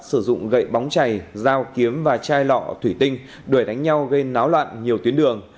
sử dụng gậy bóng chảy dao kiếm và chai lọ thủy tinh đuổi đánh nhau gây náo loạn nhiều tuyến đường